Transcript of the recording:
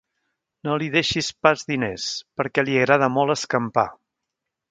No li deixis pas diners, perquè li agrada molt escampar.